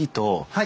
はい。